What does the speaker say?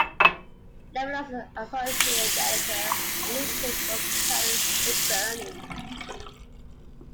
Nevelow's associate editor on the imprint was Karen McBurnie.